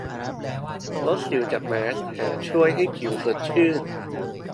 ลดสิวจากแมสก์ แถมช่วยให้ผิวสดชื่น